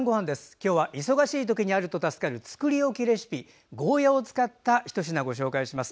今日は忙しい時にあると助かる作り置きレシピをゴーヤーを使ったひと品をご紹介します。